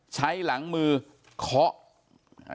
ใช้หลังมือเคาะ